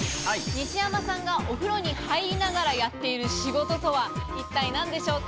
西山さんがお風呂に入りながらやっている仕事とは一体何でしょうか？